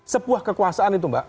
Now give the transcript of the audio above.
sebuah kekuasaan itu mbak